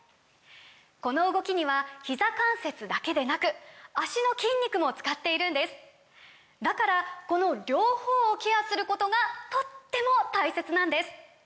この動きにはひざ関節だけでなく脚の筋肉も使っているんですだからこの両方をケアすることがとっても大切なんです！